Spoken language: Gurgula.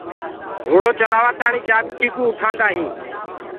گھوڙو چلآوآ تآڻي چآڀڪي ڪو اُٺآندآ هينٚ